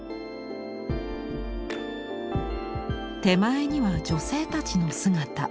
手前には女性たちの姿。